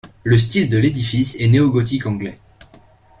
Le style de l'édifice est néogothique anglais.